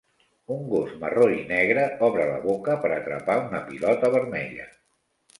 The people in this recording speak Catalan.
Un gos marró i negre obre la boca per atrapar una pilota vermella.